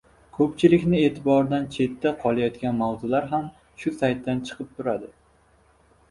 Koʻpchilikni eʼtiboridan chetda qolayotgan mavzular ham shu saytda chiqib turadi.